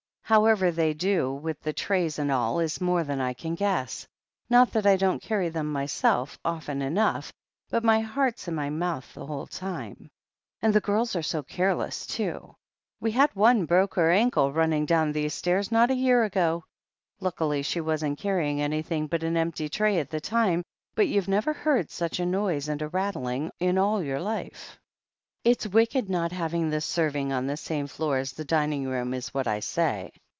"However they do, with the trays and all, is more than I can guess. Not that I don't carry them myself, often enough — but my heart's in my mouth the whole time. And girls are so careless, too! We had one broke her ankle, running down these stairs, not a year ago. Luckily she wasn't carrying anything but an empty tray at the time, but you never heard such a noise and a rattling in all your life! It's wicked not having the serving on the same floor as the dining room, is what I say."